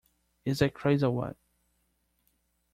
Is that crazy or what?